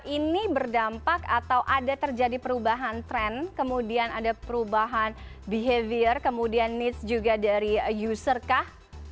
ini berdampak atau ada terjadi perubahan tren kemudian ada perubahan behavior kemudian needs juga dari user kah